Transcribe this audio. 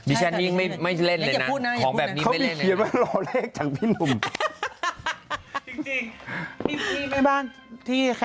ดิฉันนี่ไม่เล่นเลยนะ